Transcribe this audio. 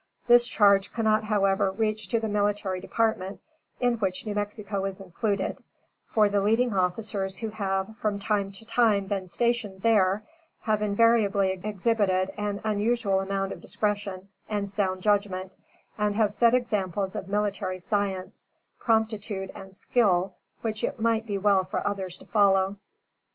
This charge cannot, however, reach to the military department in which New Mexico is included, for the leading officers who have, from time to time, been stationed there, have invariably exhibited an unusual amount of discretion and sound judgment, and have set examples of military science, promptitude and skill which it might be well for others to follow.